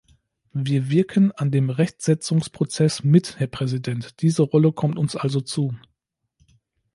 Wir wirken an dem Rechtsetzungsprozess mit, Herr Präsident, diese Rolle kommt uns also zu.